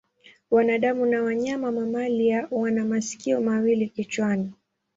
Wanadamu na wanyama mamalia wana masikio mawili kichwani.